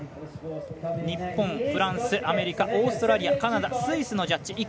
日本、フランス、アメリカ、オーストラリアカナダ、スイスのジャッジ。